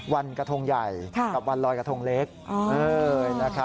วันกระทงใหญ่กับวันลอยกระทงเล็ก